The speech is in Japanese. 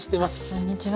こんにちは。